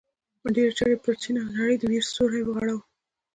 ډېر ژر یې پر چين او نړۍ د وېر سيوری وغوړاوه.